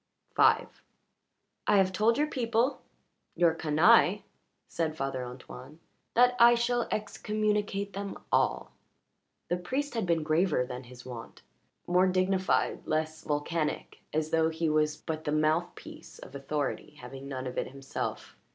V "I have told your people your canaille," said Father Antoine, "that I shall excommunicate them all." The priest had been graver than his wont more dignified, less volcanic, as though he was but the mouthpiece of authority, having none of it himself.